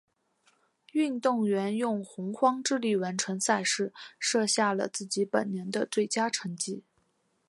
运动员用洪荒之力完成赛事，设下了自己本年的最佳成绩。